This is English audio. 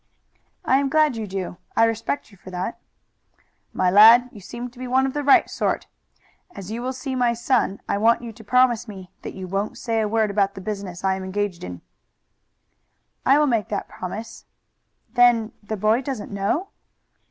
"I am glad you do. I respect you for that." "My lad, you seem to be one of the right sort. As you will see my son I want you to promise me that you won't say a word about the business I am engaged in." "I will make that promise. Then the boy doesn't know?"